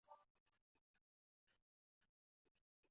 尼斯模型是一个太阳系动力演化理论。